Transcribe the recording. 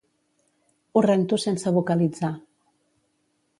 Ho rento sense vocalitzar.